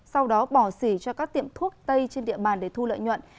sau đó bỏ xỉ cho các tiệm thuốc tây trên địa bàn để thu lợi nhuận